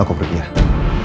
aku pergi dulu